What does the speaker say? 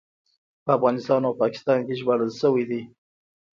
په افغانستان او پاکستان کې ژباړل شوی دی.